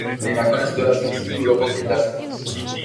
Rodney nakonec dorazí k sídlu Robot Industries.